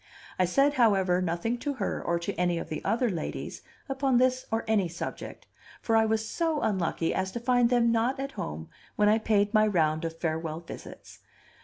I said, however, nothing to her, or to any of the other ladies, upon this or any subject, for I was so unlucky as to find them not at home when I paid my round of farewell visits.